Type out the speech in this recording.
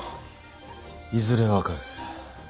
いずれ分かる。